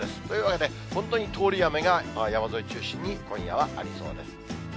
というわけで、本当に通り雨が山沿い中心に今夜はありそうです。